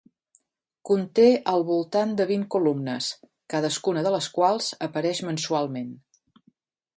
Conté al voltant de vint columnes, cadascuna de les quals apareix mensualment.